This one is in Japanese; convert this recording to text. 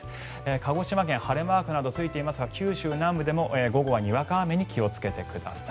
鹿児島県晴れマークなどがついていますが九州南部でも午後はにわか雨に気をつけてください。